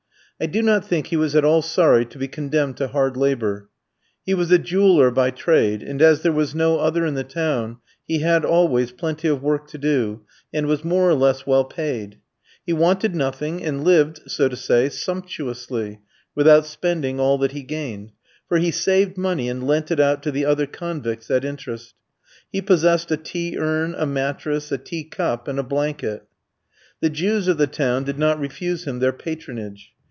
I do not think he was at all sorry to be condemned to hard labour. He was a jeweller by trade, and as there was no other in the town, he had always plenty of work to do, and was more or less well paid. He wanted nothing, and lived, so to say, sumptuously, without spending all that he gained, for he saved money and lent it out to the other convicts at interest. He possessed a tea urn, a mattress, a tea cup, and a blanket. The Jews of the town did not refuse him their patronage.